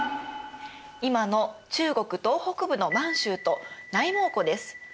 今の中国東北部の満州と内蒙古です。